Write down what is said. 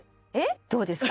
どうですか？